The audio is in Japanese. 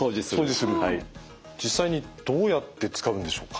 実際にどうやって使うんでしょうか？